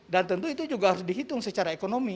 dan tentu itu juga harus dihitung secara ekonomi